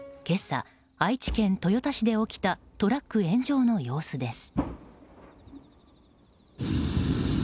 今朝、愛知県豊田市で起きたトラック炎上の様子です。